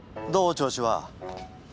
調子は。